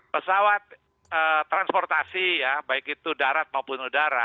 pesawat transportasi ya baik itu darat maupun udara